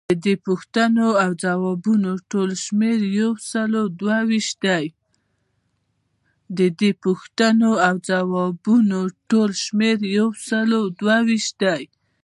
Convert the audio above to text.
ددې پوښتنو او ځوابونو ټول شمیر یوسلو دوه ویشت دی.